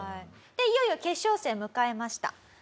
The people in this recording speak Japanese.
いよいよ決勝戦迎えました。